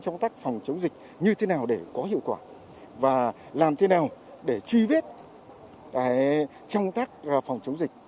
trong tác phòng chống dịch như thế nào để có hiệu quả và làm thế nào để truy vết trong tác phòng chống dịch